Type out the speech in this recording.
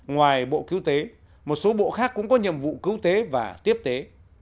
ngoài bộ cứu tế một số bộ khác cũng có nhiệm vụ cứu tế và tiếp tế